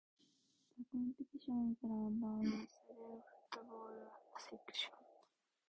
The competition is run by the Sudan Football Association.